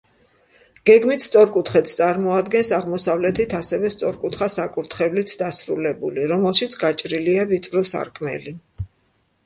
გეგმით სწორკუთხედს წარმოადგენს, აღმოსავლეთით ასევე სწორკუთხა საკურთხევლით დასრულებული, რომელშიც გაჭრილია ვიწრო სარკმელი.